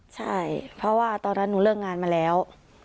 ใช่เพราะว่าตอนนั้นหนูเลิกงานมาแล้ว